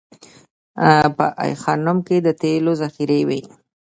په ای خانم کې د تیلو ذخیرې وې